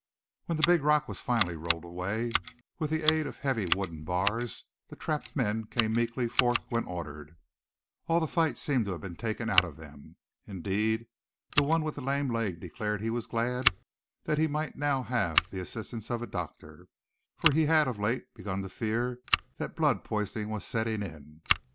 When the big rock was finally rolled away, with the aid of heavy wooden bars, the trapped men came meekly forth when ordered. All the fight seemed to have been taken out of them. Indeed, the one with the lame leg declared he was glad that he might now have the assistance of a doctor, for he had of late begun to fear that blood poisoning was setting in.